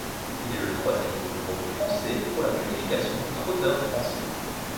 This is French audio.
Il est le troisième hippodrome français pour la qualification des Trotteurs français.